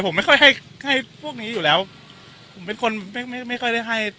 ผมไม่ค่อยให้ให้พวกนี้อยู่แล้วผมเป็นคนไม่ไม่ค่อยได้ให้